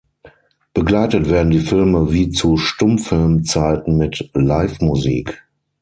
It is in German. Begleitet werden die Filme wie zu Stummfilmzeiten mit Livemusik.